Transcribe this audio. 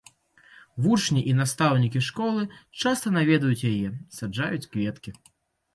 Вучні і настаўнікі школы часта наведваюць яе, саджаюць кветкі.